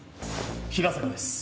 平坂です。